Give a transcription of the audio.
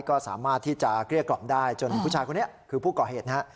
ก็สามารถที่จะเกลี้ยกล่อมได้จนผู้ชายคนนี้คือผู้ก่อเหตุนะฮะ